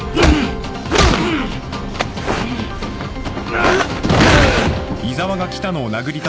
うっ。